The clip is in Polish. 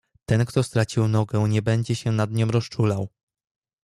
"Ten kto stracił nogę nie będzie się nad nią rozczulał."